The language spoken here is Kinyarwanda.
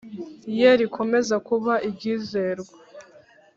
Ye rikomeza kuba iryizerwa